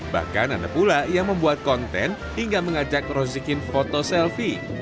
bahkan ada pula yang membuat konten hingga mengajak rozikin foto selfie